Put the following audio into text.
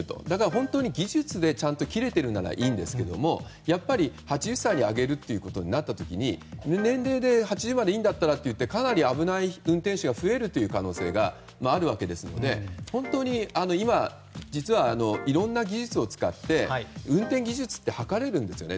本当に技術で切れているならいいんですがやっぱり８０歳に上げるということになった時に年齢で８０までいいんだったらといってかなり危ない運転手が増えるという可能性があるわけですので本当に今実はいろんな技術を使って運転技術って測れるんですね。